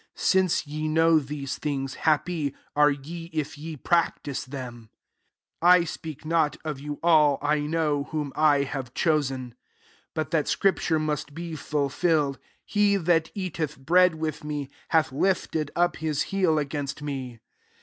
17 Since ye know these thuigs, happy are ye if je pnMCtise them. 18 « I speak not of you all : I know whom 1 have chosen : but that scripture must be ful filled, 'He that eateth bread with me, hath lifted up his heel against me.'